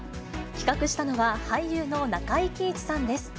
企画したのは、俳優の中井貴一さんです。